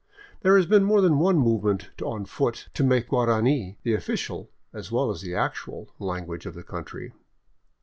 There has been more than one movement on foot to make Guarani the official, as well as the actual, language of the country.